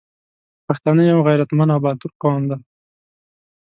پښتانه یو غریتمند او باتور قوم دی